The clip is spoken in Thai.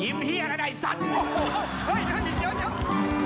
ยิ้มเหี้ยแล้วไอ้สัตว์